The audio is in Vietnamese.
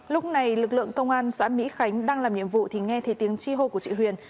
lúc này lực lượng công an xã mỹ khánh đang làm nhiệm vụ thì nghe thấy tiếng chi hô của chị huyền